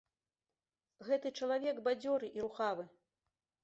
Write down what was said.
Гэта чалавек бадзёры і рухавы.